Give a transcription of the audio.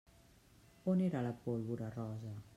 On era la pólvora rosa?